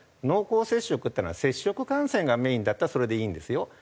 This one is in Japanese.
濃厚接触っていうのは接触感染がメインだったらそれでいいんですよ。